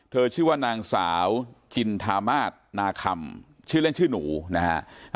ชื่อว่านางสาวจินทามาสนาคำชื่อเล่นชื่อหนูนะฮะ